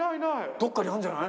どっかにあるんじゃない？